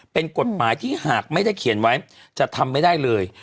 เป็นกฎหมายที่หากไม่ได้เขียนไว้จะทำไม่ได้เลย